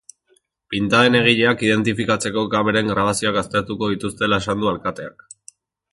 Pintaden egileak identifikatzeko kameren grabazioak aztertuko dituztela esan du alkateak.